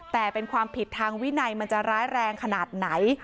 แต่เป็นความผิดทางวินัยมันจะร้ายแรงขนาดไหน